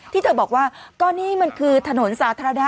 ที่เธอบอกว่าก็นี่มันคือถนนสาธารณะ